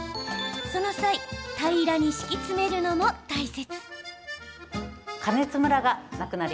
その際平らに敷き詰めるのも大切。